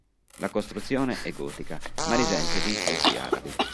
La costruzione è gotica ma risente di influssi arabi.